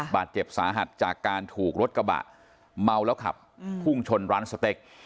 บาดเจ็บสาหัสจากการถูกรถกระบะเมาแล้วขับพุ่งชนร้านสเต็ก